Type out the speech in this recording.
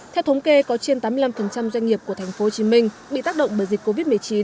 theo thống kê có trên tám mươi năm doanh nghiệp của tp hcm bị tác động bởi dịch covid một mươi chín